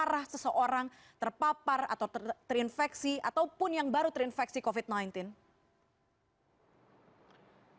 apakah seseorang terpapar atau terinfeksi ataupun yang baru terinfeksi covid sembilan belas